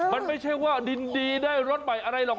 มันไม่ใช่ว่านิดนี่ได้รถไบอะไรหรอกนะ